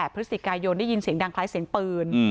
พฤศจิกายนได้ยินเสียงดังคล้ายเสียงปืน